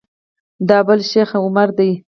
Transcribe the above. دا بل شیخ عمر دی.